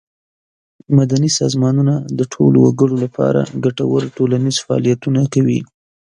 مدني سازمانونه د ټولو وګړو له پاره ګټور ټولنیز فعالیتونه کوي.